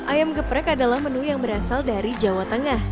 ayam geprek adalah menu yang berasal dari jawa tengah